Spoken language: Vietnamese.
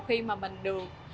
khi mà mình được